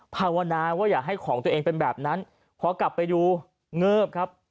ภาวนาว่าอย่าให้ของตัวเองเป็นแบบนั้นพอกลับไปดูเงิบครับ